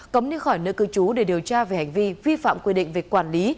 cấm đi khỏi nơi cư trú để điều tra về hành vi vi phạm quy định về quản lý